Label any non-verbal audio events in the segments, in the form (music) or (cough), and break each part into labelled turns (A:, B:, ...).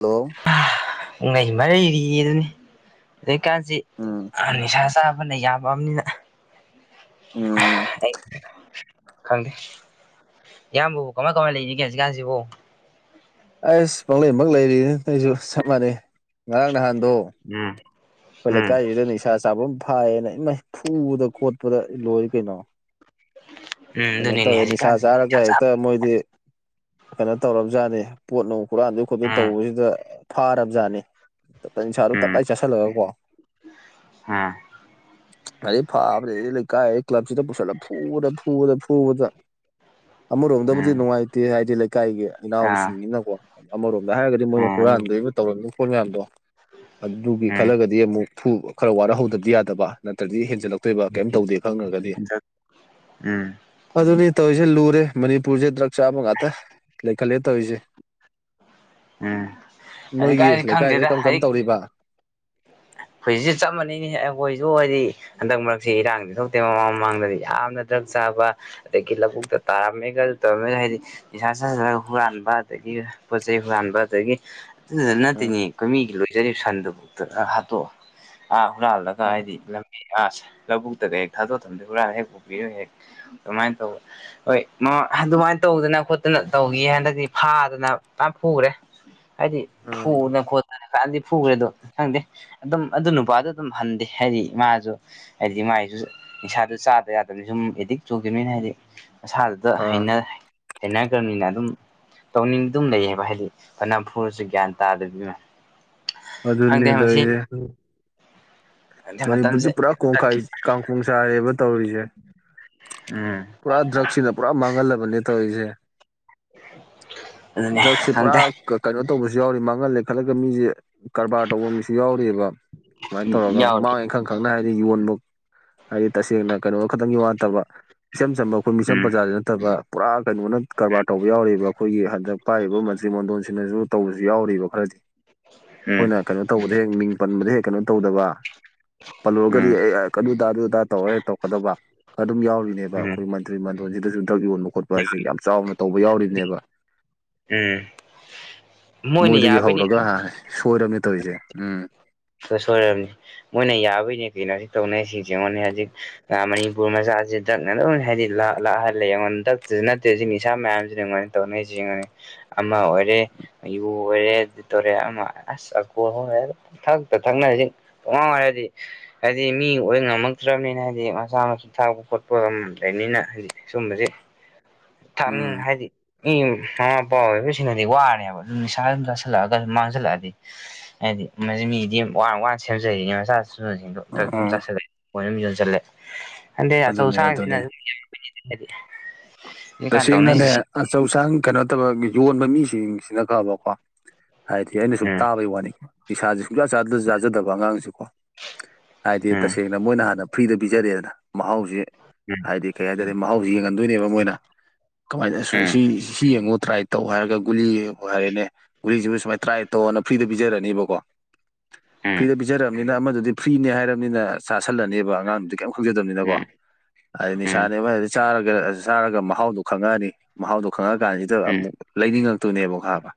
A: hello
B: ꯍꯥ ꯄꯨꯡꯂꯩ ꯃꯔꯩꯔꯤ ꯑꯗꯨꯅꯤ ꯍꯧꯖꯤꯀꯥꯟꯁꯤ
A: ꯎꯝ
B: ꯑ ꯅꯤꯁꯥ ꯆꯥꯕꯅ ꯌꯥꯝꯃꯛꯑꯕꯅꯤꯅ
A: ꯎꯝ
B: ꯑꯩ ꯈꯪꯗꯦ ꯏꯌꯥꯝꯕꯕꯨ ꯀꯃꯥꯏ ꯀꯃꯥꯏ ꯂꯩꯔꯤꯒꯦ ꯍꯧꯖꯤꯀꯥꯟꯁꯤꯕꯨ
A: ꯑꯩꯁ ꯄꯪꯂꯩ ꯃꯛ ꯂꯩꯔꯤ ꯑꯩꯁꯨ ꯆꯞ ꯃꯥꯟꯅꯩ ꯉꯔꯥꯡ ꯅꯍꯥꯟꯗꯣ
B: ꯎꯝ
A: ꯑꯩꯈꯣꯏ
B: ꯎꯝ
A: ꯂꯩꯀꯥꯏꯁꯤꯗ ꯅꯤꯁꯥ ꯆꯥꯕ ꯑꯃ ꯐꯥꯏꯌꯦꯅ ꯏꯃꯩ ꯐꯨꯕꯗ ꯈꯣꯠꯄꯗ ꯂꯣꯏ ꯀꯩꯅꯣ
B: ꯎꯝ
A: ꯀꯩꯅꯣ
B: ꯑꯗꯨꯅꯤꯅꯦ
A: ꯇꯧꯋꯦ ꯅꯤꯁꯥ
B: ꯍꯧꯖꯤꯛꯀꯥꯟꯁꯤ
A: ꯆꯥꯔꯒ ꯍꯦꯛꯇ
B: ꯆꯥꯕ
A: ꯃꯣꯏꯗꯤ ꯀꯩꯅꯣ ꯇꯧꯔꯕꯖꯥꯠꯅꯤ ꯄꯣꯠ ꯅꯨꯡ ꯍꯨꯔꯥꯟꯗꯣꯏ ꯈꯣꯠꯇꯣꯏ
B: ꯎꯝ
A: ꯇꯧꯕꯖꯤꯗ ꯐꯥꯔꯕꯖꯥꯠꯅꯤ ꯇꯞꯇꯥꯏ ꯆꯥꯔꯨ
B: ꯎꯝ
A: ꯇꯞꯇꯥꯏ ꯆꯥꯥꯁꯜꯂꯒꯀꯣ
B: ꯎꯝ
A: (unintelligible) ꯐꯥꯕꯅꯦ ꯂꯩꯀꯥꯏ ꯀ꯭ꯂꯕꯁꯤꯗ ꯄꯨꯁꯜꯂ ꯐꯨꯕꯗ ꯐꯨꯕꯗ ꯐꯨꯕꯗ ꯐꯨꯕꯗ ꯑꯃꯔꯣꯝꯗꯕꯨꯗꯤ
B: ꯎꯝ
A: ꯅꯨꯡꯉꯥꯏꯇꯦ ꯍꯥꯏꯗꯤ ꯏꯀꯥꯏꯒꯤ
B: ꯑꯥ
A: ꯏꯅꯥꯎꯁꯤꯡꯅꯤꯅꯀꯣ ꯑꯃꯔꯣꯝꯗ ꯍꯥꯏꯔꯒꯗꯤ ꯃꯣꯏꯅ
B: ꯑꯥ ꯑꯗꯨ
A: ꯍꯨꯔꯥꯟꯗꯣꯏꯕ ꯇꯧꯔꯝꯃꯤ ꯐꯣꯟ ꯃꯌꯥꯝꯗꯣ ꯑꯗꯨꯒꯤ
B: ꯎꯝ
A: ꯈꯜꯂꯒꯗꯤ ꯑꯃꯨꯛ ꯐꯨ ꯈꯔ ꯋꯥꯔꯍꯧꯗꯕꯗꯤ ꯌꯥꯗꯕ ꯅꯠꯇ꯭ꯔꯗꯤ ꯍꯦꯟꯖꯜꯂꯛꯄ ꯑꯇꯣꯏꯕ ꯀꯩꯝ ꯇꯧꯗꯦ ꯈꯪꯅ꯭ꯔꯒꯗꯤ
B: ꯎꯝ ꯎꯝ
A: ꯑꯗꯨꯅꯤ ꯇꯧꯔꯤꯁꯦ ꯂꯨꯔꯦ ꯃꯅꯤꯄꯨꯔꯁꯦ ꯗ꯭ꯔꯛ ꯆꯥꯝꯃ ꯉꯥꯛꯇ ꯂꯩꯈꯠꯂꯦ ꯇꯧꯔꯤꯁꯦ ꯅꯣꯏꯒꯤ
B: ꯍꯧꯖꯤꯛꯀꯥꯟꯗꯤ
A: ꯂꯩꯀꯥꯏꯗ
B: ꯈꯪꯗꯦꯗ
A: ꯀꯔꯝ ꯀꯔꯝ ꯇꯧꯔꯤꯕ
B: ꯍꯧꯈꯖꯤꯛꯁꯨꯦ ꯆꯞꯥꯟꯅꯩꯅꯤ ꯑꯩꯈꯣꯏꯁꯨ ꯍꯥꯏꯗꯤ ꯍꯟꯗꯛ ꯃꯔꯛꯁꯤ ꯏꯔꯥꯡꯗꯤ ꯊꯣꯛꯇꯦ ꯃꯃꯥꯡ ꯃꯃꯥꯡꯗꯗꯤ ꯌꯥꯝꯅ ꯗ꯭ꯔꯛ ꯆꯥꯕ ꯑ ꯀꯤꯂ ꯄꯨꯒꯛꯇ ꯇꯥ ꯃꯌꯦꯛꯒ ꯇ ꯍꯥꯏꯗꯤ ꯏꯁꯥ ꯁꯥꯖꯔꯒ ꯍꯨꯔꯥꯟꯕ ꯑꯗꯒꯤ ꯄꯣꯠ ꯆꯩ ꯍꯨꯔꯥꯟꯕ ꯑꯗꯒꯤ ꯗꯨꯗ
A: ꯎꯝ
B: ꯅꯠꯇꯦꯅꯦ ꯈꯣꯏ ꯃꯤꯒꯤ ꯂꯣꯏꯖꯔꯤꯕ ꯁꯟꯗꯨ (unintelligible) ꯍꯥꯠꯇꯣꯛꯑꯝ ꯑꯥ ꯍꯨꯔꯥꯜꯂꯝ ꯑ ꯍꯥꯏꯗꯤ ꯂꯝꯕꯤ ꯑꯥꯁ ꯂꯧꯕꯨꯛꯇꯒ ꯍꯦꯛ ꯊꯥꯗꯣꯛ ꯊꯝꯗꯣ ꯍꯨꯔꯥꯜ ꯍꯦꯛ ꯄꯨ (unintelligible) ꯍꯦꯛ ꯑꯗꯨꯃꯥꯏ ꯇꯧꯋꯦ ꯍꯣꯏ ꯃ ꯑꯗꯨꯃꯥꯏ ꯇꯧꯗꯅ ꯈꯣꯠꯇꯅ ꯇꯧꯈꯤꯌꯦ ꯍꯟꯗꯛꯇꯤ ꯐꯥꯗꯅ ꯄꯨꯔꯥ ꯐꯨꯈ꯭ꯔꯦ
A: (inaudible)
B: ꯍꯥꯏꯗꯤ
A: ꯎꯝ
B: ꯐꯨꯗꯅ ꯈꯣꯠꯇꯅ ꯃꯌꯥꯝꯗꯤ ꯐꯨꯈ꯭ꯔꯦꯗꯣ ꯈꯪꯗꯦ ꯑꯗꯨꯝ ꯑꯗꯨ ꯅꯨꯄꯥꯗ ꯑꯗꯨꯝ ꯍꯟꯗꯦ ꯍꯥꯏꯗꯤ ꯃꯥꯁꯨ ꯍꯥꯏꯗꯤ ꯃꯥꯏꯁꯨ ꯅꯤꯁꯥꯗꯣ ꯆꯥꯗ ꯌꯥꯗꯕꯅꯤꯅ ꯁꯨꯝ ꯑꯦꯗꯤꯛ ꯆꯨꯒꯤꯃꯤꯅ ꯍꯥꯏꯗꯤ ꯃꯁꯥꯗꯨ ꯗ
A: ꯑꯥ
B: ꯍꯩꯅꯔꯦ ꯍꯩꯅꯈꯒ꯭ꯔꯃꯤꯅ ꯑꯗꯨꯝ ꯇꯧꯅꯤꯡꯗꯨꯝ ꯂꯩꯌꯦꯕ ꯍꯥꯏꯗꯤ ꯐꯅ ꯐꯨꯔꯁꯨ ꯒ꯭ꯌꯥꯟ ꯇꯥꯗꯕꯅꯤꯅ
A: ꯑꯗꯨꯅꯤ ꯇꯧꯏꯁꯤ
B: ꯈꯪꯗꯦ
A: ꯃꯅꯤꯄꯨꯔꯁꯦ
B: ꯃꯇꯝꯁꯦ
A: ꯄꯨꯔꯥ ꯀꯣꯡꯈꯥꯏ ꯀꯥꯡꯈꯣꯡ ꯆꯥꯏꯔꯦꯕ ꯇꯧꯔꯤꯁꯦ
B: ꯎꯝ
A: ꯄꯨꯔꯥ ꯗ꯭ꯔꯛꯁꯤꯅ ꯄꯨꯔꯥ ꯃꯥꯡꯍꯜꯂꯕꯅꯦ ꯇꯧꯔꯤꯁꯦ
B: ꯑꯗꯨꯅꯦ
A: ꯗ꯭ꯔꯛꯁꯤ ꯄꯨꯔꯥ
B: ꯈꯪꯗꯦ
A: ꯀꯩꯅꯣ ꯇꯧꯕꯁꯨ ꯌꯥꯎꯔꯤ ꯃꯥꯡꯍꯜꯂꯦ ꯈꯟꯂꯒ ꯃꯤꯁꯦ ꯀꯔꯕꯥꯔ ꯇꯧꯕ ꯃꯤꯁꯨ ꯌꯥꯎꯔꯤꯑꯕ ꯁꯨꯃꯥꯏꯅ ꯇꯧꯔꯒ
B: ꯌꯥꯎꯔꯤ
A: ꯃꯥꯡꯉꯤ ꯈꯪ ꯈꯪꯅ ꯍꯥꯏꯗꯤ ꯌꯣꯟꯕ ꯍꯥꯏꯗꯤ ꯇꯁꯦꯡꯅ ꯀꯩꯅꯣ ꯈꯇꯪꯒꯤ ꯋꯥ ꯅꯠꯇꯕ ꯏꯆꯝ ꯆꯝꯕ ꯑꯈꯣꯏ ꯃꯤꯆꯝ
B: ꯎꯝ
A: ꯄ꯭ꯔꯖꯥꯁꯤ ꯐꯠꯇꯕ ꯄꯨꯔꯥ ꯀꯩꯅꯣꯅ ꯀꯔꯕꯥꯔ ꯇꯧꯕ ꯌꯥꯎꯔꯤꯕ ꯑꯈꯣꯏꯒꯤ ꯍꯟꯗꯛ ꯄꯥꯏꯔꯤꯕ ꯃꯟꯇ꯭ꯔꯤ ꯃꯣꯟꯗꯣꯟꯁꯤꯡꯅꯁꯨ ꯇꯧꯕꯁꯨ ꯌꯥꯎꯔꯤꯑꯕ ꯈꯔꯗꯤ
B: ꯎꯝ
A: ꯑꯈꯣꯏꯅ ꯀꯩꯅꯣ ꯇꯧꯕꯗ ꯍꯦꯛ ꯃꯤꯡ ꯄꯟꯕꯗ ꯍꯦꯛ ꯀꯩꯅꯣ ꯇꯧꯗꯕ ꯄꯜꯂꯨꯔꯒꯗꯤ
B: ꯎꯝ
A: ꯑꯦ ꯑꯦ ꯑꯗꯨꯗꯥ ꯑꯗꯨꯗꯥ ꯇꯧꯔ ꯍꯦꯛ ꯇꯧꯔꯀꯗꯕ ꯑꯗꯨꯝ ꯌꯥꯎꯔꯤꯅꯦꯕ
B: ꯎꯝ
A: ꯑꯈꯣꯏ ꯃꯅꯤ ꯃꯟꯇ꯭ꯔꯤ ꯃꯟꯗꯣꯟꯁꯤꯗꯁꯨ ꯗ꯭ꯔꯛ ꯌꯣꯟꯕ ꯈꯣꯠꯄ ꯑꯁꯤ ꯌꯥꯝ ꯆꯥꯎꯅ ꯇꯧꯕ ꯌꯥꯎꯔꯤꯕꯅꯦꯕ
B: ꯎꯝ ꯃꯣꯏꯅ
A: ꯃꯣꯏꯗꯒꯤ
B: ꯌꯥꯕꯩꯅꯤ
A: ꯍꯧꯔꯒ ꯍꯥ ꯁꯣꯏꯔꯕꯅꯦ ꯇꯧꯏꯁꯦ ꯎꯝ
B: ꯄꯨꯂꯞ ꯁꯣꯏꯔꯕꯅꯤ ꯃꯣꯏꯅ ꯌꯥꯕꯩꯅꯦ ꯀꯩꯅꯣ ꯍꯧꯖꯤꯛ ꯇꯧꯅꯩꯁꯤꯡꯁꯦ ꯌꯦꯡꯉꯣꯅꯦ ꯍꯧꯖꯤꯛ ꯃꯅꯤꯄꯨꯔ ꯃꯆꯥꯁꯤ ꯗ꯭ꯔꯛꯅ ꯂꯣꯏ ꯍꯥꯏꯗꯤ ꯂꯥꯛ ꯂꯥꯛꯍꯜꯂꯦ ꯌꯦꯡꯉꯣꯅꯦ ꯗ꯭ꯔꯛꯇꯁꯨ ꯅꯠꯇꯦ ꯁꯤ ꯅꯤꯁꯥ ꯃꯌꯥꯝꯁꯤꯅ ꯌꯦꯡꯉꯣꯅꯦ ꯇꯧꯅꯤꯁꯤ ꯌꯦꯡꯉꯣꯅꯦ ꯑꯃ ꯑꯣꯏꯔꯦ ꯌꯨ ꯑꯣꯏꯔꯦ ꯑꯗꯨ ꯇꯧꯔꯦ ꯑꯃ ꯑꯁ (unintelligible) ꯊꯛ (unintelligible) ꯍꯥꯏꯗꯤ ꯃꯤ ꯑꯣꯏ ꯉꯝꯃꯛꯇ꯭ꯔꯕꯅꯤꯅ ꯍꯥꯏꯗꯤ ꯃꯆꯥ ꯃꯁꯨ ꯊꯥꯛꯄ ꯈꯣꯠꯄ (unintelligible) ꯂꯩꯕꯅꯤꯅ ꯍꯥꯏꯗꯤ ꯁꯨꯝꯕꯁꯦ ꯊꯥꯛꯅꯤꯡ
A: ꯎꯝ
B: ꯍꯥꯏꯗꯤ ꯏ ꯃꯃꯥ ꯃꯄꯥ ꯑꯣꯏꯕꯁꯤꯡꯅꯗꯤ ꯋꯥꯔꯦꯕ ꯑꯗꯨꯝ ꯅꯤꯁꯥ ꯑꯗꯨꯝ ꯆꯥꯁꯤꯜꯂꯛꯑꯒ ꯑꯗꯨꯝ ꯃꯥꯡꯁꯤꯜꯂꯛꯑꯗꯤ ꯍꯥꯏꯗꯤ ꯃꯁꯤ ꯃꯤꯗꯤ ꯋꯥꯟ ꯋꯥꯟ ꯁꯦꯝꯖꯔꯤꯅꯦ ꯃꯁꯁꯤꯦ ꯁꯒꯨꯝꯕꯁꯤꯡꯗꯣ ꯑꯝꯇ ꯁꯨꯝ
A: ꯑꯣ
B: ꯆꯁꯤꯜꯂꯣꯏ ꯑꯗꯨ ꯌꯣꯟꯁꯤꯜꯂꯦ ꯑꯟꯗꯗꯤ ꯑꯆꯧ
A: ꯑꯗꯨꯅꯦ
B: ꯑꯁꯥꯡꯁꯤꯅ
A: ꯑꯗꯨꯅꯦ
B: ꯗꯤ ꯐ
A: ꯇꯁꯦꯡꯅꯅꯦ ꯑꯆꯧ ꯑꯁꯥꯡ ꯀꯩꯅꯣ ꯇꯕ ꯌꯣꯟꯕ ꯃꯤꯁꯤꯡꯁꯤꯅ ꯈꯕꯀꯣ ꯍꯥꯏꯗꯤ ꯑꯩꯅ ꯁꯨꯝ
B: ꯎꯝ
A: ꯇꯥꯕꯩ ꯋꯥꯅꯤ ꯏꯁꯥꯥꯁꯦ ꯁꯨꯡꯌꯥ ꯆꯥꯖꯗꯕ ꯑꯉꯥꯡꯁꯦꯀꯣ ꯍꯥꯏꯗꯤ
B: ꯎꯝ
A: ꯇꯁꯦꯡꯅ ꯃꯣꯏꯅ ꯍꯥꯟꯅ ꯐ꯭ꯔꯤꯗ ꯄꯤꯖꯔꯑꯦꯗꯅ ꯃꯍꯥꯎꯁꯤꯦ
B: ꯎꯝ
A: ꯍꯥꯏꯗꯤ ꯀꯩ ꯍꯥꯏꯇꯥꯔꯦ ꯃꯍꯥꯎꯁꯤ ꯌꯦꯡꯍꯟꯗꯣꯏꯅꯦꯕ ꯃꯣꯏꯅ ꯀꯃꯥꯏꯅ ꯁꯦ
B: ꯎꯝ
A: ꯁꯤ ꯁꯤ ꯌꯦꯡꯉꯣ ꯇ꯭ꯔꯥꯏ ꯇꯧ ꯍꯥꯏꯔꯒ ꯒꯨꯂꯤ ꯌꯦꯡꯉꯣ ꯍꯥꯏꯔꯦꯅꯦ ꯒꯨꯂꯤꯁꯤꯕꯨ ꯁꯨꯃꯥꯏꯅ ꯇ꯭ꯔꯥꯏ ꯇꯑꯣꯅ ꯐ꯭ꯔꯤꯗ ꯄꯤꯖꯔꯅꯤꯕꯀꯣ
B: ꯎꯝ
A: ꯐ꯭ꯔꯤꯗ ꯄꯤꯖꯔꯕꯅꯤꯅ ꯑꯃꯗꯨꯗꯤ ꯐ꯭ꯔꯤꯅꯦ ꯍꯥꯏꯔꯕꯅꯤꯅ ꯆꯥꯁꯜꯂꯅꯦꯕ ꯑꯉꯥꯡꯗꯨꯗꯤ ꯀꯩꯝ ꯈꯪꯖꯗꯕꯅꯤꯅꯀꯣ
B: ꯎꯝ
A: ꯑꯩ
B: ꯎꯝ ꯎꯝ
A: ꯅꯤꯁꯥꯅꯦꯕꯨ ꯍꯥꯏꯔꯗꯤ ꯆꯥꯔꯒ ꯆꯥꯔꯒ ꯃꯍꯥꯎ ꯃꯍꯥꯎꯗꯣ ꯈꯪꯉꯛꯑꯅꯤ ꯃꯍꯥꯎꯗꯣ ꯈꯪꯉꯛꯑꯀꯥꯟꯁꯤꯗ ꯑꯃꯨꯛ ꯂꯩꯅꯤꯡꯉꯛꯇꯣꯏꯅꯦꯕ ꯈꯪꯉꯕ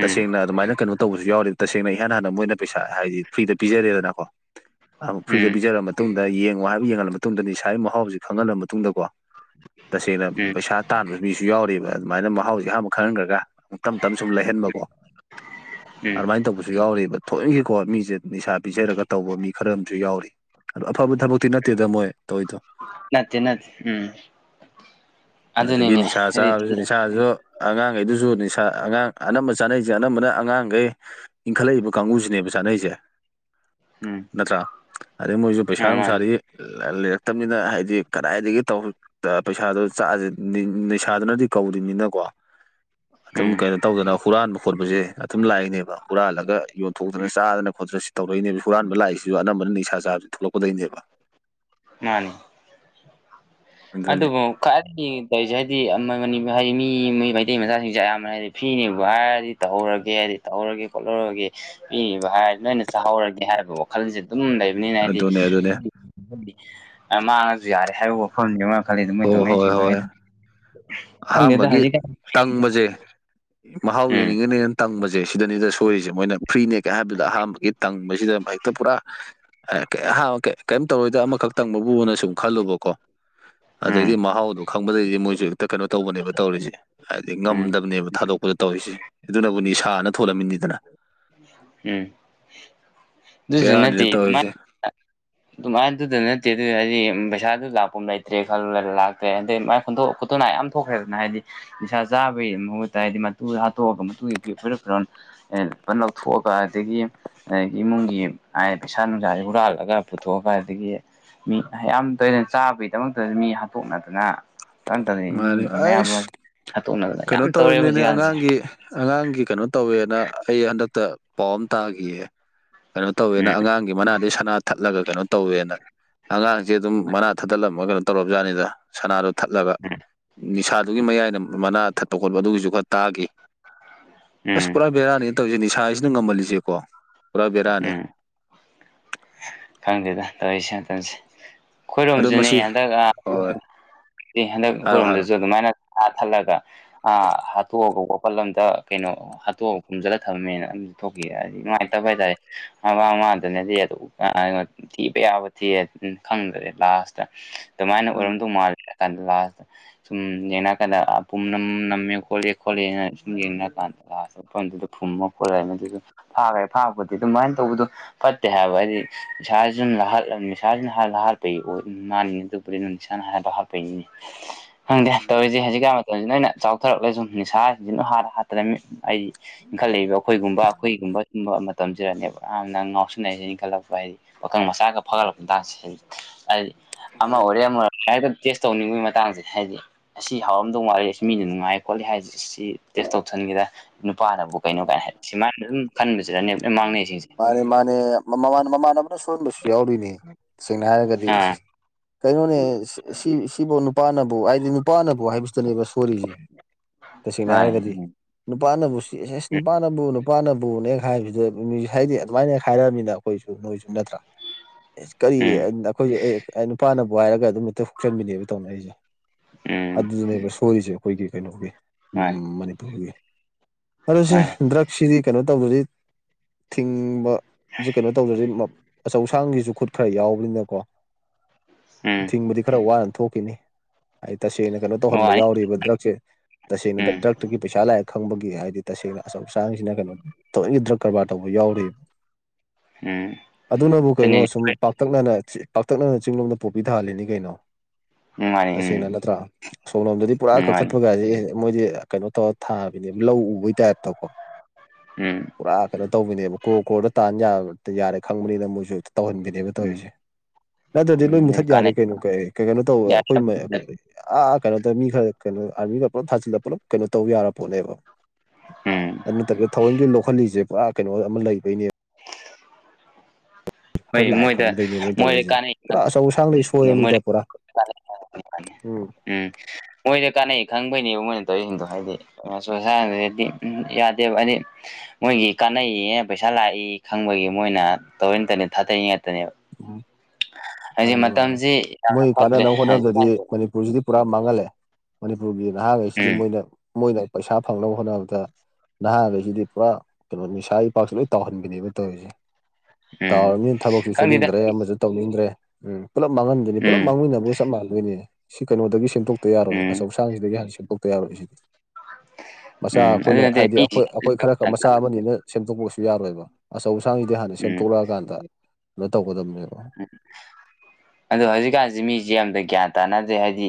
A: ꯇꯁꯦꯡꯅ ꯑꯗꯨꯃꯥꯏꯅ ꯀꯩꯅꯣ ꯇꯧꯕꯁꯨ ꯌꯥꯎꯔꯤ ꯇꯁꯦꯡꯅ ꯏꯍꯥꯟ ꯍꯥꯟꯅ ꯃꯣꯏꯅ ꯄꯩꯁꯥ ꯍꯥꯏꯗꯤ ꯐ꯭ꯔꯤꯗ ꯄꯤꯖꯔꯦꯗꯅꯀꯣ ꯑ ꯐ꯭ꯔꯤꯗ
B: ꯎꯝ ꯎꯝ
A: ꯄꯤꯖꯔꯝꯃ ꯃꯇꯨꯡꯗ ꯌꯦꯡꯉꯨ ꯍꯥꯏꯕ ꯌꯦꯡꯍꯜꯂꯕ ꯃꯇꯨꯡꯗ ꯅꯤꯁꯥꯒꯤ ꯃꯍꯥꯎꯁꯤ ꯈꯪꯍꯜꯂ ꯃꯇꯨꯡꯗ ꯀꯣ ꯇꯁꯦꯡꯅ
B: ꯎꯝ
A: ꯄꯩꯁꯥ ꯇꯥꯟꯕ ꯃꯤꯁꯨ ꯌꯥꯎꯔꯤꯕ ꯑꯗꯨꯃꯥꯏꯅ ꯃꯍꯥꯎꯁꯦ ꯑꯍꯥꯟꯕ ꯈꯪꯍꯟꯈ꯭ꯔꯒ ꯇꯞ ꯇꯞ ꯁꯨꯝ ꯂꯩꯍꯟꯕꯀꯣ
B: ꯎꯝ
A: ꯑꯗꯨꯃꯥꯏꯅ ꯇꯧꯕꯁꯨ ꯌꯥꯎꯔꯤꯕ ꯊꯣꯏꯈꯤꯀꯣ ꯃꯤꯁꯦ ꯅꯤꯁꯥ ꯄꯤꯖꯔꯒ ꯇꯧꯕ ꯃꯤ ꯈꯔ ꯑꯃꯁꯨ ꯌꯥꯎꯔꯤ ꯑꯐꯕ ꯊꯕꯛꯇꯤ ꯅꯠꯇꯦꯗ ꯃꯣꯏ ꯇꯧꯔꯤꯗꯣ
B: ꯅꯠꯇꯦ ꯅꯠꯇ ꯎꯝ
A: ꯑꯗꯒꯤ
B: ꯑꯗꯨꯅꯤꯅꯦ
A: ꯅꯤꯁꯥ
B: ꯍꯥꯏꯗꯤ
A: ꯆꯥꯕꯁꯤ ꯅꯤꯁꯥꯁꯨ ꯑꯉꯥꯡꯈꯩꯗꯨꯁꯨ ꯅꯤꯁꯥ ꯑꯉꯥꯡ ꯑꯅꯝꯕ ꯆꯥꯅꯩꯁꯦ ꯑꯅꯝꯕꯅ ꯑꯉꯥꯡꯈꯩ ꯏꯟꯈꯠꯂꯛꯏꯕ ꯀꯥꯡꯕꯨꯁꯤꯅꯦꯕ ꯆꯥꯅꯩꯁꯦ
B: ꯎꯝ
A: ꯅꯠꯇ꯭ꯔꯥ ꯑꯗꯩ ꯃꯣꯏꯁꯨ
B: ꯑ
A: ꯄꯩꯁꯥ ꯅꯨꯡꯁꯥꯗꯤ
B: ꯃꯥꯅꯤ
A: ꯂꯩꯔꯛꯇꯕꯅꯤꯅ ꯍꯥꯏꯗꯤ ꯀꯗꯥꯏꯗꯒꯤ ꯇꯧ ꯄꯩꯁꯥꯗꯣ ꯆꯥꯛꯑꯁꯦ ꯅꯤꯁꯥꯗꯨꯅꯗꯤ ꯀꯧꯗꯅꯤꯅꯀꯣ ꯑꯗꯨꯝ
B: ꯎꯝ
A: ꯀꯩꯅꯣ ꯇꯧꯗꯅ ꯍꯨꯔꯥꯟꯕ ꯈꯣꯠꯄꯁꯦ ꯑꯗꯨꯝ ꯂꯥꯛꯏꯅꯦꯕ ꯍꯨꯔꯥꯜꯂꯒ ꯌꯣꯟꯊꯣꯛꯇꯅ ꯆꯥꯗꯅ ꯈꯣꯠꯇꯅ ꯁꯤ ꯇꯧꯔꯛꯏꯅꯦꯕ ꯍꯨꯔꯥꯟꯕ ꯂꯥꯛꯏꯁꯨ ꯑꯅꯝꯕꯅ ꯅꯤꯥ ꯆꯥꯕꯁꯤ ꯊꯣꯛꯂꯛꯄꯗꯣꯏꯅꯦꯕ
B: ꯃꯥꯅꯦ
A: ꯑꯗꯨꯅꯤ
B: ꯑꯗꯨꯕꯨ ꯈ꯭ꯋꯥꯏꯗꯒꯤ ꯂꯩꯧꯔꯤꯁꯦ ꯍꯥꯏꯗꯤ ꯍꯥꯏꯗꯤ ꯃꯤ ꯃꯩꯇꯩ ꯃꯆꯥꯁꯤꯡꯁꯦ ꯑꯌꯥꯝꯕꯅ ꯍꯥꯏꯔꯗꯤ ꯐꯤꯅꯦꯕ ꯍꯥꯏꯔꯗꯤ ꯇꯧꯔꯒꯦ ꯍꯥꯏꯗꯤ ꯇꯧꯔꯒꯦ ꯈꯣꯠꯍꯔꯒꯦ ꯏꯕ ꯍꯥꯏ ꯅꯣꯏꯅ ꯆꯥꯍꯧꯔꯒꯦ ꯍꯥꯏꯕ ꯋꯥꯈꯜꯁꯦ ꯑꯗꯨꯝ ꯂꯩ ꯑꯗꯨꯅꯤꯅ ꯍꯥꯏꯗꯤ
A: ꯑꯗꯨꯅꯦ ꯑꯗꯨꯅꯦ
B: ꯃꯥꯡꯉꯁꯨ ꯌꯥꯔꯦ ꯍꯥꯏꯕ ꯋꯥꯐꯝꯁꯤ ꯑꯃ ꯈꯗ ꯃꯣꯏ ꯇ
A: ꯍꯣꯏ
B: ꯅ ꯁꯤ
A: ꯍꯣꯏ ꯍꯣꯏ ꯑꯍꯥꯟꯕꯒꯤ ꯇꯪꯕꯁꯦ ꯃꯍꯥꯎ
B: ꯎꯝ
A: ꯌꯦꯡꯅꯤꯡꯉꯅꯦ ꯇꯪꯕꯁꯦ ꯁꯤꯗꯅꯤꯗ ꯁꯣꯏꯔꯤꯁꯦ ꯃꯣꯏꯅ ꯐ꯭ꯔꯤꯅꯦ ꯀꯥꯏ ꯍꯥꯏꯕꯗꯨꯗ ꯑꯍꯥꯟꯕꯒꯤ ꯇꯪꯕꯁꯤꯗ ꯃꯍꯤꯦꯛꯇ ꯄꯨꯔꯥ ꯑꯦꯍ ꯀꯩꯝ ꯇꯧꯔꯣꯏꯗ ꯑꯃꯈꯛ ꯇꯪꯕꯕꯨꯅ ꯁꯨꯝ ꯈꯜꯂꯨꯕꯀꯣ
B: ꯎꯝ
A: ꯑꯗꯩꯗꯤ ꯃꯍꯥꯎꯗꯣ ꯈꯪꯕꯗꯩꯗꯤ ꯃꯣꯏꯁꯨ ꯀꯩꯅꯣ ꯇꯧꯕꯅꯦꯕ ꯇꯧꯔꯤꯁꯦ ꯍꯥꯏꯕꯗꯤ
B: ꯎꯝ
A: ꯉꯝꯗꯕꯅꯦꯕ ꯊꯥꯗꯣꯛꯄꯗ ꯇꯧꯔꯤꯁꯦ ꯑꯗꯨꯅꯕꯨ ꯅꯤꯁꯥꯅ ꯊꯣꯛꯣꯂꯂꯝꯃꯤꯅꯤꯗꯅ
B: ꯎꯝ ꯁꯨ ꯅ
A: ꯕꯦꯔꯥꯅꯤꯅ ꯇꯧꯔꯤꯁꯦ (inaudible)
B: ꯑꯗꯨꯃꯥꯏꯅꯗꯨꯗ ꯅꯠꯇꯦ ꯑꯗꯨ ꯍꯥꯏꯗꯤ ꯄꯩꯁꯥꯗꯨ ꯂꯥꯛꯄ ꯂꯩꯇ꯭ꯔꯦ ꯈꯜꯂ ꯂꯥꯛꯇ꯭ꯔꯦ ꯑꯗꯩ ꯈꯣꯠꯇꯣꯅ ꯌꯥꯝ ꯊꯣꯛꯈ꯭ꯔꯦꯕꯅ ꯍꯥꯏꯗꯤ ꯏꯁꯅꯤꯁꯥ ꯆꯥꯕꯒꯤ ꯃꯍꯨꯠꯠꯇ ꯍꯥꯏꯗꯤ ꯃꯇꯨꯗ ꯍꯥꯠꯇꯣꯛꯑꯒ ꯃꯇꯨꯒꯤ ꯐꯤꯔꯣ ꯂꯧꯊꯣꯛꯑꯒ ꯑꯗꯒꯤ ꯑꯗꯒꯤ ꯏꯃꯨꯡꯒꯤ ꯄꯩꯁꯥ ꯅꯨꯡꯁꯥꯁꯤ ꯍꯨꯔꯥꯜꯂꯒ ꯄꯨꯊꯣꯛꯑꯒ ꯑꯗꯒꯤ ꯃꯤ ꯌꯥꯝꯌꯥꯝ ꯇꯣꯏꯅ ꯆꯥꯕꯒꯤꯗꯃꯛꯇꯁꯨ ꯃꯤ ꯍꯥꯠꯇꯣꯛꯅꯗꯅ ꯇ
A: ꯃꯥꯅꯤ
B: ꯏꯃꯨꯡꯒꯤ ꯃꯌꯥꯝ ꯑꯃ
A: ꯑꯩꯁ
B: ꯍꯥꯠꯇꯣꯛꯅꯗꯅ ꯌꯥꯝ
A: ꯀꯩꯅꯣ
B: ꯇꯧꯔꯛꯦꯕ
A: ꯇꯧꯔꯤꯕꯅꯤꯅꯦ
B: ꯍꯧꯖꯤꯛꯀꯥꯟꯁꯦ
A: ꯑꯉꯥꯡꯒꯤ ꯑꯉꯥꯡꯒꯤ ꯀꯩꯅꯣ ꯇꯧꯋꯦꯅ ꯑꯩ ꯍꯟꯗꯛꯇ ꯄꯥꯎ ꯑꯃ ꯇꯥꯈꯤꯌꯦ ꯀꯩꯅꯣ ꯇꯧꯋꯦꯅ
B: ꯎꯝ
A: ꯑꯉꯥꯡꯒꯤ ꯃꯅꯥꯗꯤ ꯁꯅꯥ ꯊꯠꯂꯒ ꯀꯩꯅꯣ ꯇꯧꯋꯦꯅ ꯑꯉꯥꯡ ꯁꯦ ꯑꯗꯨꯝ ꯃꯅꯥ ꯊꯠꯗꯠꯂꯝꯃꯒ ꯀꯩꯅꯣ ꯇꯧꯔꯕ ꯖꯥꯠꯅꯤꯗ ꯁꯅꯥꯗꯣ ꯊꯠꯂꯒ
B: ꯎꯝ
A: ꯅꯤꯁꯥꯗꯨꯒꯤ ꯃꯌꯥꯏꯅ ꯃꯅꯥ ꯊꯠꯄ ꯈꯣꯠꯄ ꯑꯗꯨꯒꯤꯁꯨ ꯈꯔ ꯇꯥꯈꯤ ꯑꯁ
B: ꯎꯝ
A: ꯄꯨꯔꯥ ꯕꯦꯔꯥꯅꯦꯅ ꯇꯧꯁꯤ ꯅꯤꯁꯥꯁꯤꯅ ꯉꯝꯍꯜꯂꯤꯁꯦꯀꯣ ꯄꯨꯔꯥ ꯕꯦꯔꯥꯅꯦ
B: ꯎꯝ ꯈꯪꯗꯦꯗ ꯇꯧꯔꯤꯁꯦꯇꯟꯁꯦ
A: ꯑꯗꯣ
B: ꯑꯩꯈꯣꯏꯔꯣꯝꯁꯨꯅꯦ
A: ꯃꯁꯤ
B: ꯍꯟꯗꯛꯈ
A: ꯍꯣꯏ
B: ꯍꯟꯗꯛ
A: ꯍꯥꯏꯔꯣ ꯍꯥꯏꯔꯣ
B: ꯑꯩꯈꯣꯏꯔꯣꯝꯗꯁꯨ ꯑꯗꯨꯃꯥꯏꯅ ꯆ ꯊꯠꯂꯒ ꯑ ꯍꯥꯠꯇꯣꯛꯑꯒ ꯋꯥꯄꯜꯂꯝꯗ ꯀꯩꯅꯣ ꯍꯥꯠꯇꯣꯛꯑꯒ ꯈꯨꯝꯖꯤꯜꯂꯒ ꯊꯝꯃꯦꯅ ꯊꯣꯛꯈꯤ ꯍꯥꯏꯗꯤ
A: ꯎꯝ
B: ꯅꯨꯡꯥꯏꯅꯇꯕ ꯍꯥꯏꯇꯥꯔꯦ ꯃꯃꯥꯡꯃꯗꯨꯅꯗꯤ ꯑꯗꯨꯝ ꯊꯤꯕ ꯌꯥꯕ ꯊꯤ ꯈꯪꯗ꯭ꯔꯦ ꯂꯥꯁꯇ ꯑꯗꯨꯃꯥꯏꯅ
A: ꯎꯝ
B: ꯑꯣꯏꯔꯝꯗꯧ ꯃꯥꯜꯂꯦ ꯀꯟ ꯂꯥꯁ ꯁꯨꯝ ꯌꯦꯡꯉ ꯀꯥꯟꯗ ꯄꯨꯝꯅꯝ ꯅꯝꯃꯦ ꯈꯣꯠꯂꯦ ꯈꯣꯠꯂꯦꯅ ꯁꯨꯝ ꯌꯦꯡꯅꯔ ꯀꯥꯟꯗ ꯃꯐꯝꯗꯨꯗ ꯐꯨꯝꯃ ꯈꯣꯠꯂꯅꯤ ꯑꯗꯨꯗ ꯐꯥꯈ꯭ꯔꯦ ꯐꯥꯔꯄꯗꯤ ꯑꯗꯨꯃꯥꯏꯅ ꯇꯧꯕꯗꯣ ꯐꯠꯇꯦ ꯍꯥꯏꯕ ꯍꯥꯏꯗꯤ ꯏꯁꯥꯁꯤꯅ ꯅꯤꯁꯥꯁꯤꯅ ꯍꯥꯏꯔ ꯂꯍꯥꯜꯄꯩ ꯏ ꯃꯥꯅꯤ ꯑꯗꯨꯕꯨꯗꯤꯅ ꯅꯤꯁꯥꯅ ꯍꯥꯏꯔ ꯂꯍꯥꯠꯄꯩꯅꯤ
A: (inaudible)
B: ꯈꯪꯗꯦ
A: ꯎꯝ
B: ꯇꯧꯔꯤꯁꯦ ꯍꯧꯖꯤꯛꯀꯥꯟ ꯃꯇꯝꯁꯤꯅ ꯅꯣꯏꯅ ꯆꯥꯎꯊꯔꯛꯂ ꯁꯨꯝ ꯅꯤꯁꯥꯁꯤꯡꯁꯤꯅ ꯍꯥꯔ ꯍꯥꯠꯇꯔꯃꯤ ꯑꯩꯗꯤ ꯏꯟꯈꯠꯂꯛꯏꯕ ꯑꯩꯈꯣꯏꯒꯨꯝꯕ ꯑꯩꯈꯣꯏꯒꯨꯝꯕ ꯁꯨꯝꯕ ꯃꯇꯝꯁꯤꯗꯅꯦꯕ ꯌꯥꯝꯅ ꯉꯥꯎꯁꯤꯟꯅꯩꯔꯤꯁꯦ ꯏꯟꯈꯠꯂꯛꯄ ꯍꯥꯏꯗꯤ ꯋꯥꯈꯪ ꯃꯆꯥꯒ ꯐꯒꯠꯂꯛꯄꯗꯥꯛꯁ ꯍꯥꯏꯗꯤ ꯑꯃ
A: ꯃꯥꯅꯦ
B: ꯑꯣꯏꯔꯦ
A: ꯃꯥꯅꯦ
B: ꯑꯃ ꯍꯥꯏꯦꯛꯇ ꯇꯦꯁ ꯇꯧꯅꯤꯡꯕꯒꯤ ꯃꯇꯥꯡꯁꯦ ꯍꯥꯏꯗꯤ ꯑꯁꯤ ꯍꯥꯎꯔꯝꯗꯧ ꯋꯥꯔꯤꯦ ꯁꯤ ꯃꯤꯅ ꯅꯨꯡꯉꯥꯏ ꯈꯣꯠꯂꯦ ꯍꯥꯏꯁ ꯁꯤ ꯇꯦꯁ ꯇꯧꯁꯤꯟꯒꯦꯗ ꯅꯨꯄꯥꯅꯕꯨ ꯀꯩꯅꯣ ꯀꯥꯏꯅ
A: ꯃꯥꯅꯦ
B: ꯍꯥꯏ
A: ꯃꯥꯅꯦ
B: ꯁꯤꯃꯥꯏꯅ ꯑꯗꯨꯝ ꯈꯟꯕꯁꯤꯗꯅꯦ ꯂꯣꯏꯅ ꯃꯥꯡꯅꯩꯁꯤꯡꯁꯦ
A: ꯃꯥꯅꯦ ꯃꯥꯅꯦ ꯃꯃꯥꯟꯅꯕꯅ ꯁꯣꯟꯍꯣꯟꯕꯁꯨ ꯌꯥꯎꯔꯤꯅꯦ ꯁꯦꯡꯅ ꯍꯥꯏꯔꯒꯗꯤ
B: ꯑꯥ
A: ꯀꯩꯅꯣꯅꯦ ꯁꯤ ꯁꯤꯕꯨ ꯅꯨꯄꯥꯅꯕꯨ ꯍꯥꯏꯗꯤ ꯅꯨꯄꯥꯅꯕꯨ ꯍꯥꯏꯕꯁꯤꯇꯅꯦꯕ ꯁꯣꯔꯤꯁꯦ ꯇꯁꯦꯡꯅ
B: ꯃꯥꯅꯤ
A: ꯍꯥꯏꯔꯒꯗꯤ
B: ꯎꯝ
A: ꯅꯨꯄꯥꯅꯕꯨ ꯁꯤ ꯑꯦꯁ ꯑꯁ
B: ꯎꯝ
A: ꯅꯨꯄꯥꯅꯕꯨ ꯅꯨꯄꯥꯅꯕꯨꯅꯦ ꯍꯥꯏꯕꯁꯤꯗ ꯍꯥꯏꯗꯤ ꯑꯗꯨꯃꯥꯏꯅ ꯍꯥꯏꯔꯅꯤꯅ ꯑꯩꯈꯣꯏꯁꯨ ꯅꯣꯏꯁꯨ ꯅꯠꯇ꯭ꯔꯥ ꯀꯔꯤ
B: ꯎꯝ
A: ꯑꯩꯈꯣꯏꯁꯨ ꯑꯦ ꯑꯩ ꯅꯨꯄꯥꯅꯕꯨ ꯍꯥꯏꯔꯒ ꯑꯗꯨꯝ ꯍꯦꯛꯇ ꯍꯨꯆꯟꯃꯤꯟꯅꯕ ꯇꯧꯅ ꯑꯩꯁꯦ
B: ꯎꯝ
A: ꯑꯗꯨꯗꯨꯅꯦꯕ ꯁꯣꯔꯤꯁꯦ ꯑꯩꯈꯣꯏꯒꯤ ꯀꯩꯅꯣꯒꯤ
B: ꯃꯥꯅꯤ
A: ꯃꯅꯤꯄꯨꯔꯒꯤ ꯑꯗꯨꯗꯣ ꯁꯤꯦ
B: ꯃꯥꯅꯤ
A: ꯗ꯭ꯔꯛꯁꯤꯗꯤ ꯀꯩꯅꯣ ꯇꯧꯕꯗꯗꯤ ꯊꯤꯡꯕ ꯁꯤ ꯀꯩꯅꯣ ꯇꯧꯖꯁꯦ ꯑꯆꯧ ꯑꯁꯥꯡꯒꯤꯁꯨ ꯈꯨꯠ ꯈꯔ ꯌꯥꯎꯕꯅꯤꯅꯀꯣ
B: ꯎꯝ
A: ꯊꯤꯡꯕꯗꯤ ꯈꯔ ꯋꯥꯅ ꯊꯣꯛꯈꯤꯅꯤ ꯑꯩ ꯇꯁꯦꯡꯅ ꯀꯩꯅꯣ ꯇꯧꯍꯟꯕ
B: ꯋꯥꯅꯤ
A: ꯌꯥꯎꯔꯤꯕ ꯗ꯭ꯔꯛꯁꯦ ꯇꯁꯦꯡꯅ
B: ꯎꯝ
A: ꯗ꯭ꯔꯛꯇꯨꯒꯤ ꯄꯩꯁꯥ ꯂꯥꯏꯔꯤꯛ ꯈꯪꯕꯒꯤ ꯍꯥꯏꯗꯤ ꯇꯁꯦꯡꯅ ꯑꯆꯧ ꯑꯁꯥꯡꯁꯤꯅ ꯀꯩꯅꯣ ꯇꯣꯏꯅ ꯗ꯭ꯔꯛ ꯀꯔꯕꯥꯔ ꯇꯧꯕ ꯌꯥꯎꯔꯤꯕ
B: ꯎꯝ
A: ꯑꯗꯨꯅꯕꯨ ꯀꯩꯅꯣ
B: ꯑꯗꯨꯅꯤꯅꯦ
A: ꯁꯨꯝ ꯄꯥꯛꯇꯛꯅꯅ ꯄꯥꯛꯇꯛꯅꯅ ꯆꯤꯡꯂꯣꯝꯗ ꯄꯣꯄꯤ ꯊꯥꯍꯜꯂꯤꯅꯤ ꯀꯩꯅꯣ
B: ꯎꯝ ꯃꯥꯅꯤ ꯎꯝ
A: ꯇꯁꯦꯡꯅ ꯅꯠꯇ꯭ꯔꯥ ꯑ ꯁꯣꯝꯂꯣꯝꯗꯗꯤ ꯄꯨꯔꯥ
B: ꯎꯝ ꯃꯥꯅꯤ
A: ꯀꯛꯊꯠꯄꯒꯥꯏꯁꯦ ꯃꯣꯏꯗꯤ ꯀꯩꯅꯣ ꯇꯧꯔ ꯊꯥꯕꯅꯦ ꯂꯧ ꯎꯕꯒꯤ ꯇꯥꯏꯞꯇ ꯀꯣ
B: ꯎꯝ
A: ꯄꯨꯔꯥ ꯀꯩꯅꯣ ꯇꯧꯕꯅꯦꯕ ꯀ꯭ꯔꯣꯔ ꯀ꯭ꯔꯣꯔꯗ ꯇꯟꯕ ꯌꯥꯔꯦ ꯈꯪꯕꯅꯤꯅ ꯃꯣꯏꯁꯨ ꯇꯧꯍꯟꯅꯤ ꯅꯦꯕ
B: ꯎꯝ
A: ꯇꯧꯔꯤꯁꯦ ꯅꯠꯇ꯭ꯔꯗꯤ ꯂꯣꯏ ꯃꯨꯊꯠ
B: ꯑꯗꯨꯅꯤ
A: ꯌꯥꯔꯦ
B: ꯀꯥꯟꯅꯩ
A: ꯀꯩꯅꯣ ꯀ ꯀ ꯀꯩꯅꯣ ꯇꯧꯕ ꯑꯩꯈꯣꯏ ꯑꯥ ꯀꯩꯅꯣꯗ ꯃꯤ ꯈꯔ ꯀꯩꯅꯣ ꯑꯥꯔꯃꯤꯒꯔ ꯄꯨꯂꯞ ꯊꯥꯖꯤꯜꯂ ꯄꯨꯂꯞ ꯀꯩꯅꯣ ꯇꯧ ꯌꯥꯔ ꯄꯣꯠꯅꯦꯕ
B: ꯎꯝ
A: ꯑꯗꯨ ꯅꯠꯇ꯭ꯔꯒ ꯊꯑꯣꯏꯒꯤ ꯂꯧꯈꯠꯂꯤꯁꯦ ꯄꯨꯔꯥ ꯀꯩꯅꯣ ꯑꯃ ꯂꯩꯕꯩꯅꯦꯕ
B: ꯍꯣꯏ
A: ꯈꯔ ꯂꯥꯛꯑꯦ
B: ꯃꯣꯏꯗ
A: ꯈꯪꯕꯗꯩꯅꯦ ꯃꯣꯏꯅ
B: ꯃꯣꯏꯗ
A: ꯇꯧꯔꯛꯏꯁꯦ
B: ꯀꯥꯟꯅꯩ
A: ꯄꯨꯔꯥ ꯑꯆꯧ ꯑꯁꯥꯡꯗꯩ
B: ꯈꯪꯕꯩ ꯎꯝ
A: ꯁꯣꯏꯔꯕꯅꯤꯗ ꯄꯨꯔꯥ ꯎꯝ
B: ꯃꯣꯏꯗ ꯀꯥꯟꯅꯩ ꯈꯪꯕꯩꯅꯦꯕ ꯃꯣꯏꯅ ꯇꯧꯔꯤꯁꯤꯡꯗꯣ ꯍꯥꯏꯗꯤ ꯗꯤ ꯎꯝ ꯌꯥꯗꯦꯕ ꯍꯥꯏꯗꯤ ꯃꯣꯏꯒꯤ ꯀꯥꯟꯅꯩ ꯄꯩꯁꯥ ꯂꯥꯛ ꯑꯩ ꯈꯪꯕꯒꯤ ꯃꯣꯏꯅ ꯇꯧꯔꯤꯅꯦ ꯊꯥꯗꯔꯤ ꯉꯥꯛꯇꯅꯦꯕ
A: ꯎꯝ
B: ꯍꯧꯖꯤꯛ
A: ꯃꯥꯅꯤ ꯃꯥꯅꯤ
B: ꯃꯇꯝꯁꯤ ꯌꯥꯝꯅ
A: ꯃꯣꯏ
B: ꯐꯠꯇ꯭ꯔꯦ
A: ꯀꯥꯟꯅꯅꯕ ꯍꯣꯠꯅꯕꯒꯗꯤ
B: ꯍꯧꯖꯤꯛꯀꯥꯟꯁꯦ
A: ꯃꯅꯤꯄꯨꯔꯁꯤꯗꯤ ꯄꯨꯔꯥ ꯃꯥꯡꯍꯜꯂꯦ ꯃꯅꯤꯄꯨꯔꯒꯤ ꯅꯍꯥꯉꯩꯁꯤꯗꯤ
B: ꯎꯝ
A: ꯃꯣꯏꯅ ꯃꯣꯏꯅ ꯄꯩꯁꯥ ꯐꯪꯅꯕ ꯍꯣꯠꯅꯕꯗ ꯅꯍꯥꯈꯩꯁꯤꯗꯤ ꯄꯨꯔꯥ ꯀꯩꯅꯣ ꯅꯤꯁꯥ ꯏꯄꯥꯛꯁꯦ ꯂꯣꯏ ꯇꯥꯎꯍꯟꯕꯅꯦꯕ ꯇꯧꯔꯤꯁꯦ
B: ꯎꯝ
A: ꯇꯔꯃꯤ ꯊꯀꯁꯦ
B: ꯈꯪꯗꯦꯗ
A: ꯇꯧꯅꯤꯡꯗ꯭ꯔꯦ ꯎꯝ ꯄꯨꯂꯞ ꯃꯥꯡꯍꯟꯗꯣꯏꯅꯤ ꯄꯨꯂꯞ
B: ꯎꯝ
A: ꯃꯥꯡꯃꯤꯟꯅꯕꯒ ꯆꯞ ꯃꯥꯟꯅꯗꯣꯏꯅꯤ ꯁꯤ ꯀꯩꯅꯣꯗꯒꯤ ꯁꯦꯝ ꯇꯛꯇ ꯌꯥꯔꯣꯏ
B: ꯎꯝ
A: ꯑꯆꯧꯁꯥꯡꯁꯤꯗꯒꯤ ꯍꯥꯟꯅ ꯁꯦꯝꯗꯣꯛꯇ ꯌꯥꯔꯣꯏꯁꯤꯗꯤ ꯃꯆꯥ
B: ꯎꯝ ꯑꯗꯨ
A: ꯑꯩꯈꯣꯏꯅ
B: ꯅꯠꯇꯦ
A: ꯍꯥꯏꯗꯤ ꯑꯩꯈꯣꯏ
B: ꯃꯤꯁꯤꯡ
A: ꯑꯩꯈꯣꯏ ꯈꯔ ꯈ ꯃꯆꯥ ꯑꯃꯅꯤꯅ ꯁꯦꯝꯗꯣꯛꯄꯁꯨ ꯌꯥꯔꯣꯏꯕ ꯑꯆꯧ ꯑꯁꯥꯡꯁꯤꯗꯤ ꯍꯥꯟꯅ
B: ꯎꯝ
A: ꯁꯦꯝꯇꯣꯛꯂꯛ ꯑꯀꯥꯟꯗ ꯇꯧꯒꯗꯕꯅꯦꯕ
B: ꯑꯗꯣ ꯍꯧꯖꯤꯛꯀꯥꯟꯁꯤ ꯃꯤꯁꯦ ꯌꯥꯝꯅ ꯒ꯭ꯌꯥꯟ ꯇꯥꯅꯗ꯭ꯔꯦ ꯍꯥꯏꯗꯤ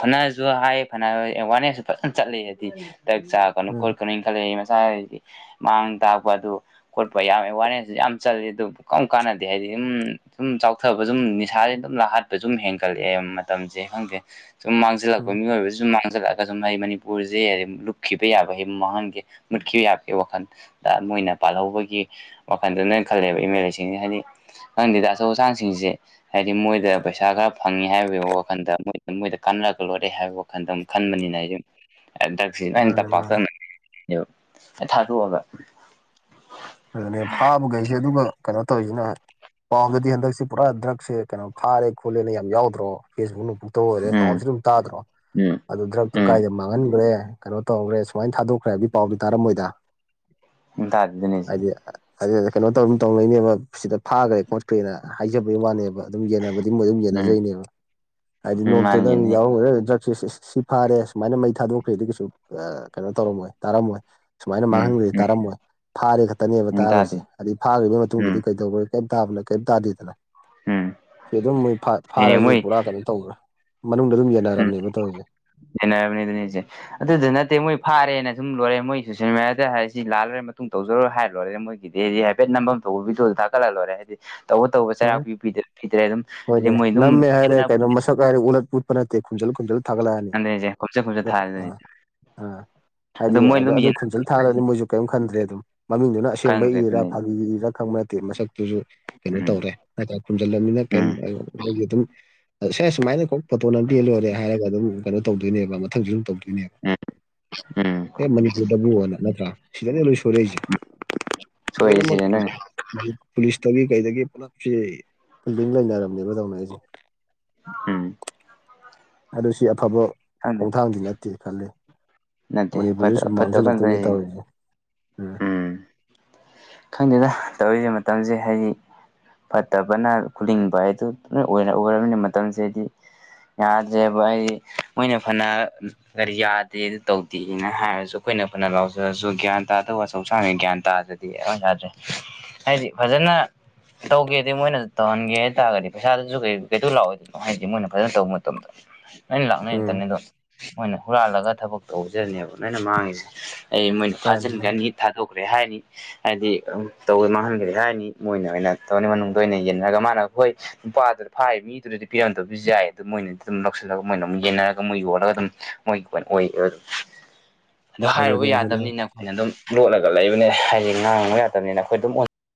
B: ꯐꯅꯁꯨ ꯍꯥꯏ ꯐꯅ ꯑꯦꯋꯥꯔꯅꯦꯁꯁꯨ ꯐꯖꯅ ꯆꯠꯂꯦ ꯍꯥꯏꯗꯤ ꯗ꯭ꯔꯛ ꯆꯥꯀꯅꯨ
A: ꯎꯝ
B: ꯈꯣꯠꯀꯅꯨꯅ ꯈꯜꯂ ꯑꯩ ꯃꯁꯥꯗꯤ ꯃꯥꯡ ꯇꯥꯛꯄ ꯑꯗꯨ ꯈꯣꯠꯄ ꯌꯥꯝ ꯑꯦꯋꯥꯔꯅꯦꯁꯁꯨ ꯌꯥꯝ ꯆꯜꯂꯤ ꯑꯗꯨ ꯀꯔꯝ ꯀꯥꯟꯅꯗꯦ ꯍꯥꯏꯗꯤ ꯑꯗꯨꯝ ꯁꯨꯝ ꯆꯥꯎꯊꯕ ꯁꯨꯝ ꯅꯤꯁꯥꯥꯁ ꯑꯗꯨꯝ ꯂꯥꯛꯍꯠꯄ ꯁꯨꯝ ꯍꯦꯟꯒꯠꯂꯛꯑꯦ ꯃꯇꯝꯁꯦ ꯈꯪꯗꯦ ꯁꯨꯃꯥꯡ ꯆꯜꯂꯛꯄ
A: ꯎꯝ
B: ꯃꯤꯑꯣꯏꯕꯁꯨ ꯃꯥꯡꯖꯜꯂꯛ ꯑ ꯁꯨꯝ ꯑꯩ ꯃꯅꯤꯄꯨꯔꯁꯦ ꯂꯨꯞꯈꯤꯕ ꯌꯥꯕ ꯃꯥꯡꯍꯟꯒꯦ ꯃꯨꯠꯈꯤꯕ ꯌꯥꯕꯒꯤ ꯋꯥꯈꯜ ꯃꯣꯏꯅ ꯄꯥꯜꯍꯧꯕꯒꯤ ꯋꯥꯈꯟꯗ ꯅꯣꯏꯅ ꯈꯜꯂꯦꯕ ꯑꯦꯝ ꯑꯦꯜ ꯑꯦꯁꯤꯡꯁ ꯍꯥꯏꯗꯤ ꯅꯪꯗꯤꯗ ꯑꯆꯧ ꯑꯥꯆꯥꯡꯁꯤꯡꯁꯦ ꯍꯥꯏꯗꯤ ꯃꯣꯏꯗ ꯄꯩꯁꯥ ꯈꯔ ꯐꯪꯉꯤ ꯍꯥꯏꯕꯒꯤ ꯋꯥꯈꯟꯗ ꯃꯣꯏ ꯃꯣꯏꯗ ꯀꯥꯟꯅꯔꯒ ꯂꯣꯏꯔꯦ ꯍꯥꯏꯕ ꯋꯥ ꯈꯟꯇ ꯈꯟꯕꯅꯤꯅ ꯑꯩꯁꯨ ꯍꯟꯗꯛ ꯁꯤ ꯑꯗꯨꯃꯥꯏꯅ
A: ꯃꯥꯅꯦ ꯃꯥꯅꯦ
B: ꯇꯞꯄꯥꯛꯇꯅꯅꯦꯕ ꯊꯥꯗꯣꯛ ꯑꯒ
A: ꯑꯗꯨꯅꯦ ꯐꯥꯕꯈꯩꯁꯦ ꯑꯗꯨꯒ ꯀꯩꯅꯣ ꯇꯧꯔꯤꯁꯤꯅ ꯄꯥꯎꯗꯗꯤ ꯍꯟꯗꯛꯁꯤ ꯄꯨꯔꯥ ꯗ꯭ꯔꯛꯁꯦ ꯀꯩꯅꯣ ꯐꯥꯔꯦ ꯈꯣꯠꯂꯦꯅ ꯌꯥꯝ ꯌꯥꯎꯗ꯭ꯔꯣ ꯐꯦꯁꯕꯨꯛꯅꯛꯇ ꯑꯣꯏꯔꯦ
B: ꯎꯝ
A: ꯄꯥꯎꯁꯨ ꯑꯗꯨꯝ ꯇꯥꯗ꯭ꯔꯣ
B: ꯎꯝ
A: ꯑꯗꯨ ꯗ꯭ꯔꯛꯇꯣ
B: ꯎꯝ
A: ꯀꯥꯏꯗ ꯃꯥꯡꯍꯟꯈ꯭ꯔꯦ ꯀꯩꯅꯣ ꯇꯧꯈ꯭ꯔꯦ ꯁꯨꯃꯥꯏꯅ ꯊꯥꯗꯣꯛꯈ꯭ꯔꯦꯕꯒꯤ ꯄꯥꯎꯗꯤ ꯇꯥꯔꯝꯃꯣꯏꯗ
B: ꯇꯥꯗꯦꯅꯦ
A: ꯍꯥꯏꯗꯤ ꯑꯗꯨ ꯀꯩꯅꯣ ꯇꯧ ꯇꯧꯅꯣꯏꯅꯦꯕ ꯁꯤꯗ ꯐꯥꯈ꯭ꯔꯦ ꯈꯣꯠꯈ꯭ꯔꯦꯅ ꯍꯥꯏꯖꯕꯒꯤ ꯋꯥꯅꯦꯕ ꯑꯗꯨꯝ ꯌꯦꯟꯅꯕꯗꯤ ꯃꯣꯏ ꯑꯗꯨꯝ
B: ꯎꯝ
A: ꯌꯦꯟꯅꯖꯩꯅꯦꯕ ꯍꯥꯏꯗꯤ
B: ꯎꯝ
A: ꯅꯣꯡꯃꯥꯇ ꯅꯪ
B: ꯃꯥꯅꯤꯅꯦ
A: ꯌꯥꯎꯔꯝꯒꯗ ꯁꯤ ꯐꯥꯔꯦ ꯁꯨꯃꯥꯏꯅ ꯃꯩ ꯊꯥꯗꯣꯛꯈ꯭꯭ꯔꯦꯗꯒꯤꯁꯨ ꯀꯩꯅꯣ ꯇꯧꯔꯝꯃꯣꯏ ꯇꯥꯔꯝꯃꯣꯏ ꯁꯨꯃꯥꯏꯅ
B: ꯎꯝ
A: ꯃꯥꯡꯍꯟꯈ꯭ꯔꯁꯤ
B: ꯎꯝ
A: ꯇꯥꯔꯝꯃꯣꯏ ꯐꯥꯔꯦ ꯈꯛꯇꯅꯦꯕ
B: ꯎꯝ ꯇꯥꯗꯦ
A: ꯇꯥꯈ꯭ꯔꯤꯁꯦ ꯑꯩ ꯐꯥꯈ꯭ꯕꯩ
B: ꯎꯝ
A: ꯃꯇꯨꯡꯗꯗꯤ ꯗꯧ ꯀꯩꯗꯅ ꯀꯩ ꯇꯥꯗꯦꯗꯅ
B: ꯎꯝ
A: ꯁꯤ ꯑꯗꯨꯝ ꯃꯣꯏ
B: ꯍꯅꯦ
A: ꯐꯥꯔꯁꯨ
B: ꯃꯣꯏ
A: ꯄꯨꯔꯥ ꯀꯩꯅꯣ ꯇꯧꯕ꯭ꯔꯥ ꯃꯅꯨꯡꯗ ꯑꯗꯨꯝ ꯌꯦꯟꯅꯔꯝꯅꯦꯕ ꯇꯧꯔꯤꯁꯦ
B: ꯅꯦꯕꯅꯤꯗꯤꯅꯤꯖꯦ ꯑꯗꯨꯗ ꯅꯠꯇꯦ ꯃꯣꯏ ꯐꯥꯔꯦꯅ ꯁꯨꯝ ꯂꯣꯏꯔꯦ ꯃꯣꯏ ꯁꯣꯁꯤꯦꯜ ꯃꯦꯗꯤꯌꯥꯗ ꯍꯥꯏꯁꯤ ꯂꯥꯜꯂꯔꯦ ꯃꯇꯨꯡ ꯇꯧꯖꯔꯣꯏ ꯍꯥꯏꯔ ꯂꯣꯏꯔꯦ ꯃꯣꯏ ꯀꯗꯤ ꯍꯥꯏꯐꯠꯝꯐꯝ ꯊꯣꯛꯕꯤꯗꯨꯨ ꯊꯥꯠꯂꯛꯂꯔꯦ ꯍꯥꯏꯗꯤ ꯇꯧꯕ ꯇꯧꯕ ꯆꯩꯔꯥꯛ
A: ꯍꯣꯏ
B: ꯄꯤ ꯄꯤꯗ꯭ꯔꯦ ꯑꯗꯨꯝ ꯍꯥꯏꯗꯤ ꯃꯣꯏ ꯑꯗꯨꯝ
A: ꯃꯁꯥꯀꯦ ꯎꯠ ꯄꯨ ꯦ ꯀꯨꯟꯖꯜ ꯀꯨꯖꯜ ꯊꯥꯒꯠꯂꯛꯑꯅꯤ
B: ꯑꯗꯨꯅꯤꯁꯦ ꯈꯣꯝꯆꯠ ꯈꯣꯝꯆꯠ
A: ꯑꯣ
B: ꯊꯥꯔꯗꯨꯅꯤ
A: ꯑꯥ ꯑꯥ
B: ꯑꯗꯨ
A: ꯍꯥꯏꯗꯤ
B: ꯃꯣꯏꯅ
A: ꯑ
B: ꯑꯗꯨꯝ
A: ꯑꯗꯨ
B: ꯌꯦꯟꯅꯔꯅꯤ
A: ꯈꯟꯆꯜ ꯊꯥꯔꯗꯤ ꯃꯣꯏꯁꯨ ꯀꯔꯤꯝ ꯈꯟꯗ꯭ꯔꯦ ꯑꯗꯨꯝ ꯃꯃꯤꯡꯗꯨꯅ ꯑꯁꯦꯡꯕ
B: ꯈꯪꯈ꯭ꯔꯦ
A: ꯏꯔꯥ
B: ꯑꯗꯨꯅꯤ
A: ꯐꯥꯒꯤ ꯏꯔꯥ ꯈꯪꯕ ꯅꯠꯇꯦ ꯃꯁꯛꯇꯨꯁꯨ ꯀꯩꯅꯣ
B: ꯎꯝ
A: ꯇꯧꯔꯦ ꯍꯥꯏ ꯈꯨꯝꯖꯤꯜꯂꯅꯤꯅ ꯀꯩ
B: ꯎꯝ
A: ꯑꯩꯒꯤ ꯑꯗꯨ ꯁ ꯁꯨꯃꯥꯏꯅ ꯀ ꯐꯣꯇꯣ ꯅꯇꯦꯜ ꯂꯣꯏꯔꯦ ꯍꯥꯏꯔꯒ ꯑꯗꯨꯝ ꯀꯩꯅꯣ ꯇꯧꯗꯣꯏꯅꯦꯕ ꯃꯊꯪꯁꯨ ꯑꯗꯨꯝ ꯇꯧꯗꯣꯏꯅꯦꯕ
B: ꯎꯝ ꯎꯝ
A: ꯑꯦ ꯃꯅꯤꯄꯨꯔꯗꯕꯨꯅ ꯅꯠꯇ꯭ꯔꯥ ꯁꯤꯗꯅꯦ ꯂꯣꯏ ꯁꯣꯏꯛꯏꯁꯦ ꯃꯣꯏꯗꯃ
B: ꯁꯣꯏꯔꯤꯁꯤꯅꯦ ꯅꯣꯏꯅ
A: ꯄꯨꯂꯤꯁꯇꯒꯤ ꯀꯩꯗꯒꯤ ꯄꯨꯂꯞꯁꯦ ꯐꯤꯜꯗꯤꯡ ꯂꯩꯅꯔꯝꯅꯦꯕ ꯇꯧꯅ ꯑꯩꯁꯦ
B: ꯎꯝ
A: ꯑꯗꯨ ꯁꯤ ꯑꯐꯕ
B: ꯈꯪꯗꯦ
A: ꯈꯣꯡꯊꯥꯡꯗꯤ ꯅꯠꯇꯦ ꯈꯜꯂꯤ
B: ꯅꯠꯇꯦ ꯐ
A: ꯃꯅꯤꯄꯨꯔꯁꯤ ꯁꯨꯝ
B: ꯐꯠꯇ ꯄ
A: ꯃꯥꯡꯁꯤꯜꯂꯛꯇꯣꯏꯅꯦ ꯇꯧꯔꯤꯁꯦ
B: ꯎꯝ ꯊꯣꯏꯗꯅ ꯇꯧꯔꯤꯕ ꯃꯇꯝꯁꯦ ꯍꯥꯏꯗꯤ ꯐꯠꯇꯕꯅ ꯈꯨꯜꯂꯤꯡꯕ ꯍꯥꯏꯗꯨ ꯂ ꯑꯣꯏꯅ ꯎꯔꯕꯔꯕꯅꯤꯅ ꯃꯇꯝꯁꯤꯗꯗꯤ ꯌꯥꯗ꯭ꯔꯦꯕ ꯑꯩꯗꯤ ꯃꯣꯏꯅ ꯐꯅ ꯀꯔꯤ ꯌꯥꯗꯦ ꯇꯧꯗꯦꯅ ꯍꯥꯏꯔꯁꯨ ꯑꯩꯈꯣꯏꯅ ꯐꯅ ꯂꯥꯎꯖꯔꯁꯨ ꯒ꯭ꯌꯥꯟ ꯇꯥꯗꯕ ꯑꯆꯧꯁꯥꯡꯁ ꯒ꯭ꯌꯥꯟ ꯇꯥꯗꯗꯤ ꯑꯩ ꯌꯥꯗ꯭ꯔꯦ ꯍꯥꯏꯗꯤ ꯐꯖꯅ ꯇꯧꯒꯦ ꯑꯗꯨꯗꯤ ꯃꯣꯏꯅꯁꯨ ꯇꯧꯍꯟꯒꯦ ꯍꯥꯏꯇꯥꯔꯒꯗꯤ ꯄꯩꯁꯥꯗꯨꯁꯨ ꯀꯩ ꯀꯩꯗꯣ ꯂꯥꯛꯑꯣꯏꯗꯅꯣ ꯍꯥꯏꯗꯤ ꯃꯣꯏꯅ ꯐꯖꯅ ꯇꯧꯕ ꯃꯇꯝꯗ
A: (unintelligible)
B: ꯅꯣꯏꯩꯅ
A: ꯎꯝ
B: ꯂꯥꯛꯅꯩꯇꯅꯤꯗꯣ ꯃꯣꯏꯅ ꯍꯨꯔꯥꯜꯂꯒ ꯊꯕꯛ ꯇꯧꯖꯅꯦꯕ ꯅꯣꯏꯅ ꯃꯥꯡꯉꯤꯁꯦ ꯑꯩ ꯃꯣꯏꯅ
A: ꯃꯥꯅꯤ ꯃꯥꯅꯤ
B: ꯐꯥꯖꯤꯟꯈ꯭ꯔꯅꯤ ꯊꯥꯗꯣꯛꯈ꯭ꯔꯦ ꯍꯥꯏꯅꯤ ꯍꯥꯏꯗꯤ ꯇꯧ ꯃꯥꯡꯍꯟꯈ꯭ꯔꯦ ꯍꯥꯏꯅꯤ ꯃꯣꯏꯅ ꯑꯣꯏꯅ ꯇꯧꯔꯅꯤ ꯃꯅꯨꯡꯗ ꯑꯣꯏꯅ ꯌꯦꯟꯅꯔꯒ ꯃꯥꯅ ꯍꯣꯏ ꯄꯕꯗꯔ ꯐꯥꯏ ꯃꯤ ꯃꯤꯗꯨꯨꯗꯗꯤ ꯄꯤꯔꯝꯗꯕꯁꯨ ꯌꯥꯏ ꯑꯗꯨ ꯃꯣꯏꯅꯗꯤ ꯑꯗꯨꯝ ꯂꯧꯁꯤꯜꯂꯒ ꯃꯣꯏꯅ ꯑꯃꯝ ꯌꯦꯟꯅꯔꯒ ꯃꯣꯏ ꯌꯣꯜꯒ ꯑꯗꯨꯝ ꯃꯣꯏꯒꯤ ꯀꯃꯥꯏꯅ ꯑꯣꯏ ꯑꯗꯣ ꯍꯥꯏꯔꯨꯕ
A: ꯑꯗꯨꯅꯤ ꯑꯗꯨꯅꯤ
B: ꯌꯥꯗꯕꯅꯤꯅ ꯑꯩꯈꯣꯏꯅ ꯑꯗꯨꯝ ꯂꯣꯠꯂꯒ ꯂꯩꯕꯅꯦ ꯍꯥꯏꯗꯤ ꯉꯥꯡꯉꯕ ꯌꯥꯗꯕꯅꯤꯅ ꯑꯩꯈꯣꯏ ꯑꯗꯨꯝ